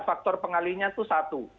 faktor pengalinya itu satu